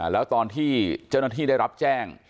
แล้วตอนที่เจ้าหน้าที่ได้รับแจ้ง